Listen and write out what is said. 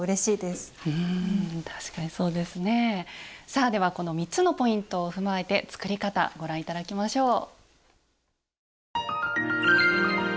さあではこの３つのポイントを踏まえて作り方ご覧頂きましょう。